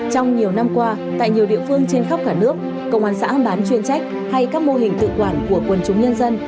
trong nhiều năm qua tại nhiều địa phương trên khắp cả nước công an xã bán chuyên trách hay các mô hình tự quản của quần chúng nhân dân